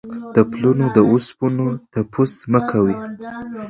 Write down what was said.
د پلونو د اوسپنو تپوس مه کوئ.